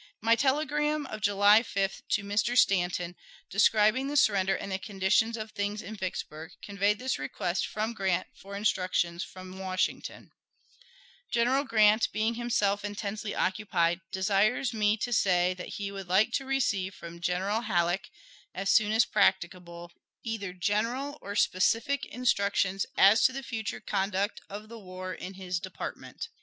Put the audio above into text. My telegram of July 5th to Mr. Stanton describing the surrender and the condition of things in Vicksburg conveyed this request from Grant for instructions from Washington: General Grant, being himself intensely occupied, desires me to say that he would like to receive from General Halleck as soon as practicable either general or specific instructions as to the future conduct of the war in his department.